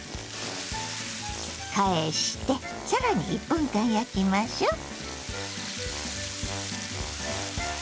返して更に１分間焼きましょう。